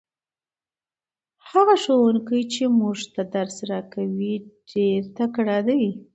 هغه ښوونکی چې موږ ته درس راکوي ډېر تکړه دی.